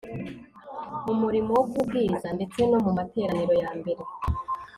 mu murimo wo kubwiriza ndetse no mu materaniro yambere